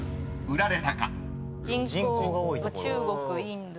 人口が多い所。